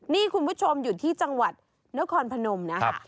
นี่คุณผู้ชมอยู่ที่จังหวัดเนื้อคอนพนมนะครับ